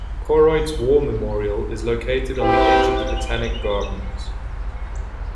Koroit's War Memorial is located on the edge of the Botanic Gardens.